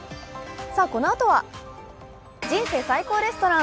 このあとは「人生最高レストラン」。